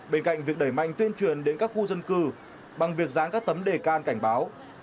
bên cạnh việc đẩy mạnh tuyên truyền đến các khu dân cư bằng việc dán các tấm đề can cảnh báo